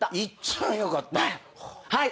はい！